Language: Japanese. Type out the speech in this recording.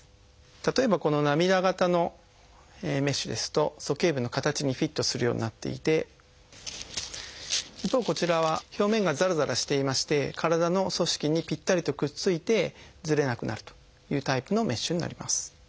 例えばこの涙形のメッシュですと鼠径部の形にフィットするようになっていて一方こちらは表面がざらざらしていまして体の組織にぴったりとくっついてずれなくなるというタイプのメッシュになります。